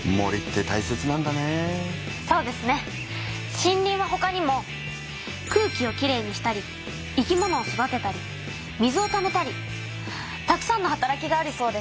森林はほかにも空気をきれいにしたり生き物を育てたり水をためたりたくさんの働きがあるそうです。